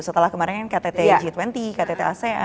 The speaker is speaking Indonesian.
setelah kemarin kan ktt g dua puluh ktt asean